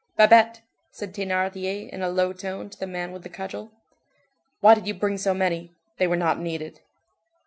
"Babet," said Thénardier in a low tone to the man with the cudgel, "why did you bring so many; they were not needed."